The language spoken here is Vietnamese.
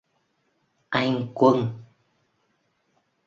Anh quân